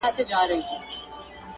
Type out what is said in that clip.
چي په جنګي حالاتو کي به یې